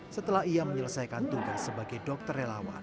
setelah ia menyelesaikan tugas sebagai dokter relawan